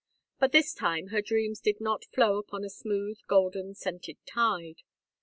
But this time her dreams did not flow upon a smooth golden scented tide.